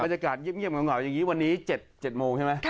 ยากเงียบเหงาอย่างนี้วันนี้๗โมงใช่ไหม